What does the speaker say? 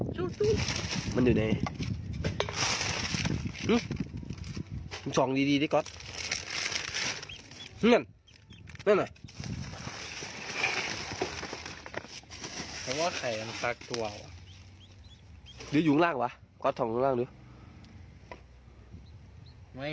กูว่าแล้วไงนี่ไงกูว่าแล้ว